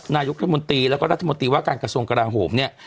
นายกรัฐมนตรีแล้วก็รัฐมนตรีว่าการกระทรวงกราโหมเนี่ย